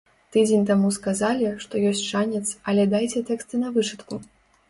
Тыдзень таму сказалі, што ёсць шанец, але дайце тэксты на вычытку.